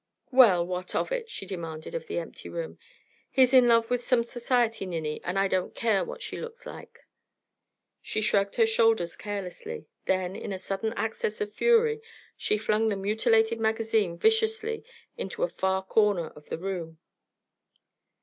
"Well, what of it?" she demanded of the empty room. "He's in love with some society ninny, and I don't care what she looks like." She shrugged her shoulders carelessly; then, in a sudden access of fury, she flung the mutilated magazine viciously into a far corner of the room.